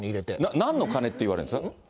なんの金って言われるんですか？